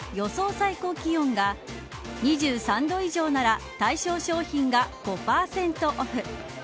最高気温が２３度以上なら対象商品が５％オフ。